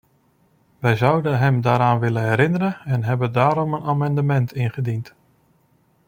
Wij zouden hem daaraan willen herinneren en hebben daarom een amendement ingediend.